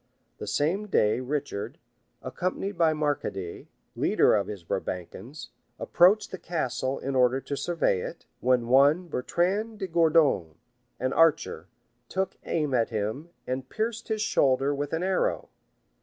The same day Richard, accompanied by Marcadée, leader of his Brabançons, approached the castle in order to survey it, when one Bertrand de Gourdon, an archer, took aim at him, and pierced his shoulder with an arrow.